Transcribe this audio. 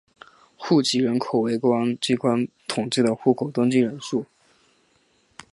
户籍人口为公安机关统计的户口登记人数。